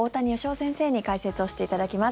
先生に解説をしていただきます。